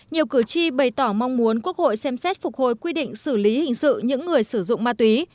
nhiều cử tri bày tỏ mong muốn quốc hội xem xét phục hồi quy định xử lý hình sự những người sử dụng ma túy